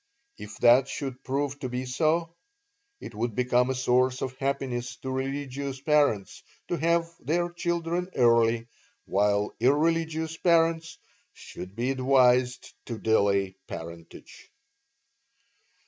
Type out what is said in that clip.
If that should prove to be so, it would become a source of happiness to religious parents to have their children early, while irreligious parents should be advised to delay parentage.